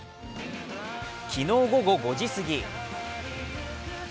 昨日午後５時過ぎ。